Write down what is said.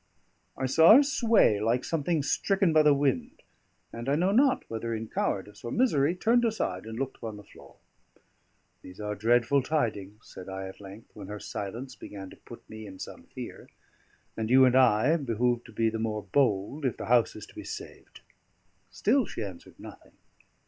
I saw her sway like something stricken by the wind; and I know not whether in cowardice or misery, turned aside and looked upon the floor. "These are dreadful tidings," said I at length, when her silence began to put me in some fear; "and you and I behove to be the more bold if the house is to be saved." Still she answered nothing.